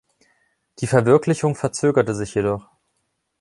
Die Verwirklichung verzögerte sich jedoch.